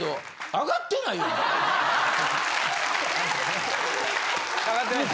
あがってないですよ。